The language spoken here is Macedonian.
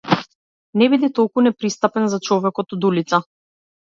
Не биди толку непристапен за човекот од улица.